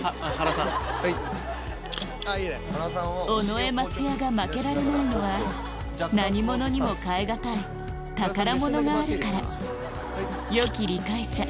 尾上松也が負けられないのは何物にも代え難い宝物があるからよき理解者